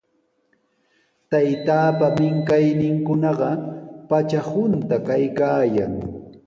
Taytaapa minkayninkunaqa patra hunta kaykaayan.